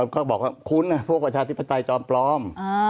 ก็บอกว่าคุ้นนะพวกประชาธิปไตยจอมปลอม